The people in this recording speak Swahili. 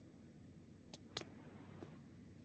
Mkutano wetu huko Marondera ulipigwa marufuku na